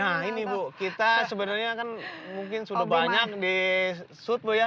nah ini bu kita sebenarnya kan mungkin sudah banyak di sud bu ya